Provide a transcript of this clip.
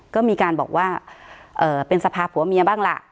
ก็มีการบอกว่าเป็นสภาพผัวเมียบ้างล่ะ